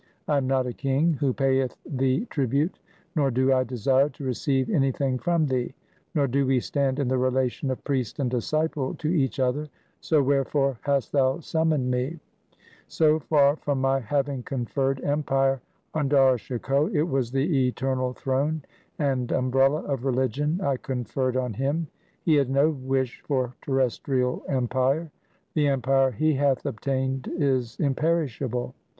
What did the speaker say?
I am not a king who payeth thee tribute, nor do I desire to receive anything from thee, nor do we stand in the relation of priest and disciple to each other, so wherefore hast thou summoned me ? So far from my having conferred empire on Dara Shikoh, it was the eternal throne and umbrella of religion I conferred on him. He had no wish for terrestrial empire. The empire he hath obtained is imperishable.